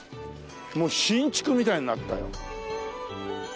もう新築みたいになったよ。